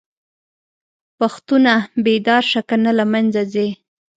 پښتونه!! بيدار شه کنه له منځه ځې